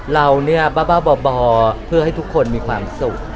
เราเนี่ยบ้าบ่อเพื่อให้ทุกคนมีความสุข